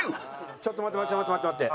ちょっと待って待って待って待って。